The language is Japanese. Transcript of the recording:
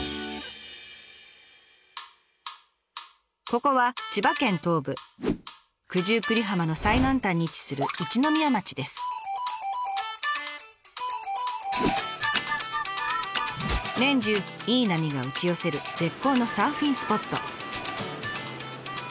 ここは千葉県東部九十九里浜の最南端に位置する年中いい波が打ち寄せる絶好のサーフィンスポット。